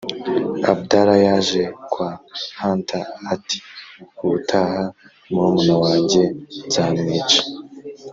abdallah yaje kwa hunter ati: "ubutaha murumuna wanjye nzamwica